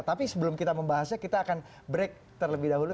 tapi sebelum kita membahasnya kita akan break terlebih dahulu